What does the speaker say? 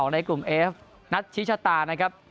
ในกลุ่มเอฟนัทชิชตานะครับ